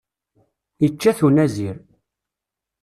Ičča-t unazir.